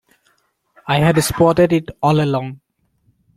I had spotted it all along.